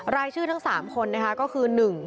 รายชื่อทั้งสามคนนะครับก็คือหนึ่ง